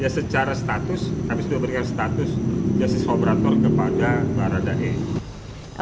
ya secara status habis itu berikan status justice kolaborator kepada baradae